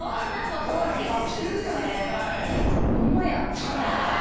怖い顔してるやない。